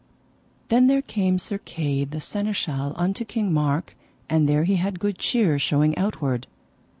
Then there came Sir Kay, the Seneschal, unto King Mark, and there he had good cheer showing outward.